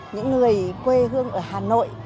những người quê hương ở hà nội